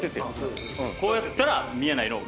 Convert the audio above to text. こうやったら見えないのう。